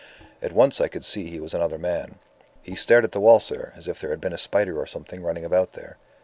At once I could see he was another man. He stared at the wall, sir, as if there had been a spider or something running about there.